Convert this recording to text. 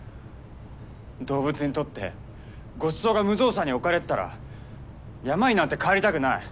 動物にとってごちそうが無造作に置かれてたら山になんて帰りたくない。